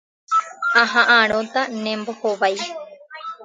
Aha'ãrõta ne mbohovái.